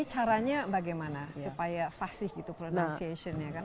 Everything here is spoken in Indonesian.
ini caranya bagaimana supaya fasi itu pronunciation nya